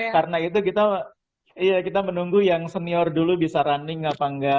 karena itu kita menunggu yang senior dulu bisa running apa enggak